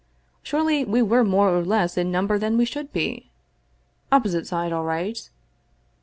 Surely we were more or less in number than we should be? Opposite side all right.